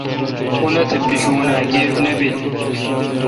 اونتھ پشون اؘ گیب نہ بیل۔